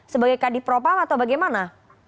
sebagai kadif propam atau bagaimana